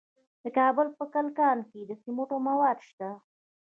د کابل په کلکان کې د سمنټو مواد شته.